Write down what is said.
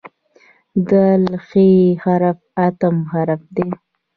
د "ح" حرف اتم حرف دی.